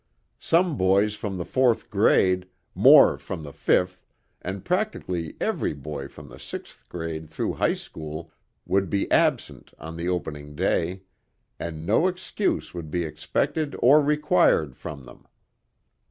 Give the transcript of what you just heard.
Some boys from the fourth grade, more from the fifth and practically every boy from the sixth grade through high school would be absent on the opening day, and no excuse would be expected or required from them.